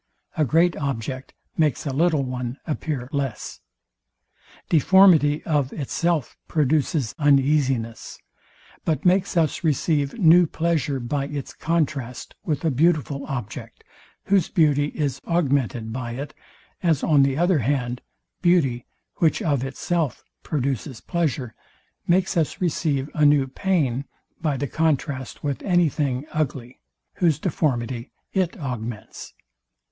A great object makes a little one appear less. Deformity of itself produces uneasiness; but makes us receive new pleasure by its contrast with a beautiful object, whose beauty is augmented by it; as on the other hand, beauty, which of itself produces pleasure, makes us receive a new pain by the contrast with any thing ugly, whose deformity it augments.